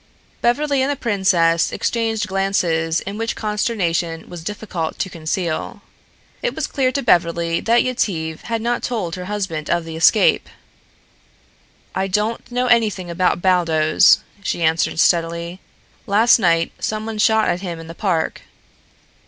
Beverly and the princess exchanged glances in which consternation was difficult to conceal. It was clear to Beverly that Yetive had not told her husband of the escape. "I don't know anything about Baldos," she answered steadily. "Last night someone shot at him in the park."